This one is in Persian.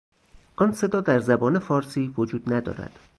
آن صدا در زبان فارسی وجود ندارد.